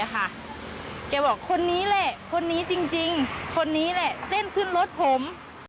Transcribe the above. แกบอกคนนี้แหละคนนี้จริงคนนี้แหละเต้นขึ้นรถผม